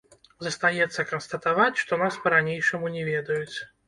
Застаецца канстатаваць, што нас па-ранейшаму не ведаюць.